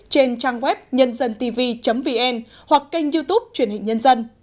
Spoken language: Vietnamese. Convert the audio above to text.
trên trang web nhân dân tivi vn hoặc kênh youtube truyền hình nhân dân